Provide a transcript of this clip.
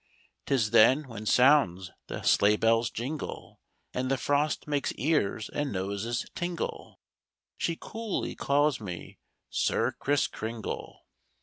'Tis then when sounds the sleigh bell's jingle And the frost makes ears and noses tingle, She coolly calls me 'Sir Kriss Kringle.